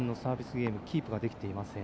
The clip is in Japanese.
ゲームキープできていません。